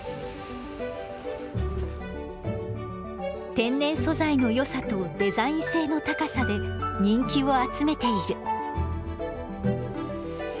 天然素材のよさとデザイン性の高さで人気を集めている。